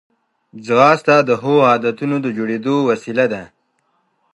ځغاسته د ښو عادتونو د جوړېدو وسیله ده